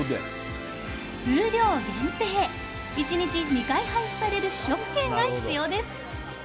数量限定、１日２回配布される試食券が必要です。